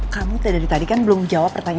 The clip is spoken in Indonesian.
kamu dari tadi kan belum jawabkan aku ya